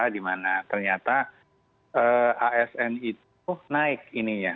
di mana ternyata asn itu naik ini ya